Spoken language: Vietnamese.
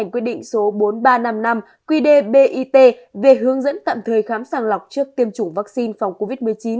quy định số bốn nghìn ba trăm năm mươi năm qdbit về hướng dẫn tạm thời khám sàng lọc trước tiêm chủng vaccine phòng covid một mươi chín